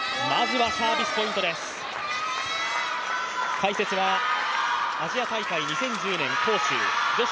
解説はアジア大会２０１０年広州女子